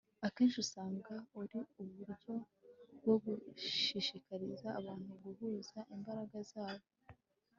akenshi usanga ari uburyo bwo gushishikariza abantu guhuza imbaraga zabo